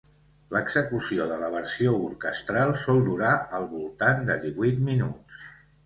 L'execució de la versió orquestral sol durar al voltant de divuit minuts.